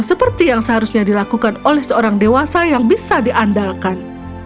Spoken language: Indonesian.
seperti yang seharusnya dilakukan oleh seorang dewasa yang bisa diandalkan